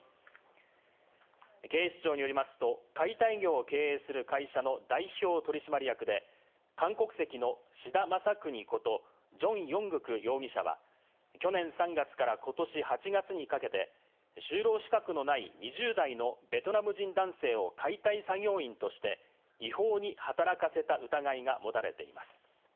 警視庁によりますと、解体業を経営する会社の代表取締役で韓国籍の志田容国ことジョン・ヨングク容疑者は去年３月からことし８月にかけて、就労資格のない２０代のベトナム人男性を解体作業員として違法に働かせた疑いが持たれています。